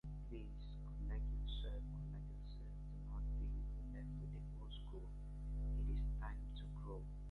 After the war, the area was subjected to stern Counter-Reformation measures.